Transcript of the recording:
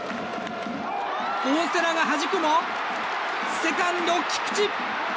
大瀬良がはじくもセカンド、菊池。